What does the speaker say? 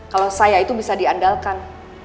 kalau saya itu bisa diandalkan